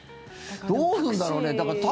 どうすんだろうね。